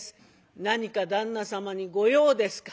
何か旦那様に御用ですか？」。